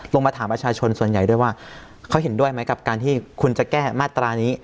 มาถามประชาชนส่วนใหญ่ด้วยว่าเขาเห็นด้วยไหมกับการที่คุณจะแก้มาตรานี้